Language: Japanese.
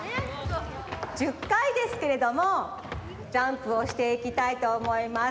１０かいですけれどもジャンプをしていきたいとおもいます。